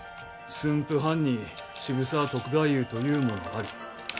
「駿府藩に渋沢篤太夫というものあり。